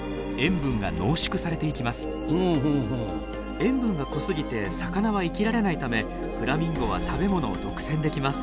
塩分が濃すぎて魚は生きられないためフラミンゴは食べ物を独占できます。